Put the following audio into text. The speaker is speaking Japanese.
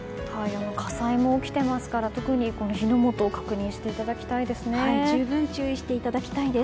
火災も起きていますから特に火の元を十分注意していただきたいです。